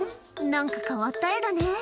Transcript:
なんか変わった絵だね。